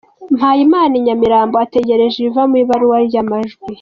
Mpayimana i Nyamirambo ategereje ibiva mu ibarura ry'amajwi.